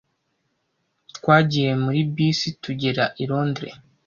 Twagiye muri bisi tugera i Londres.